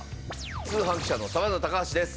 通販記者のサバンナ高橋です。